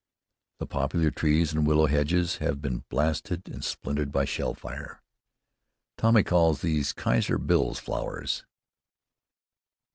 The poplar trees and willow hedges have been blasted and splintered by shell fire. Tommy calls these "Kaiser Bill's flowers."